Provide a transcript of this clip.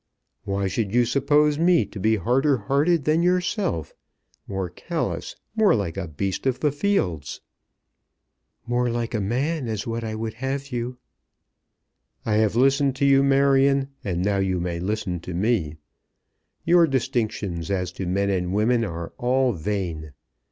"Why should you suppose me to be harder hearted than yourself, more callous, more like a beast of the fields?" "More like a man is what I would have you." "I have listened to you, Marion, and now you may listen to me. Your distinctions as to men and women are all vain.